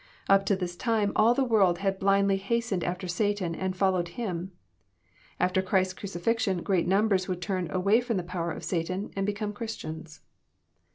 Up to this time all the world had blindly hastened after Satan and followed him. After Christ's crucifixion great numbers would turn away fh>m the power of Satan and become Christians.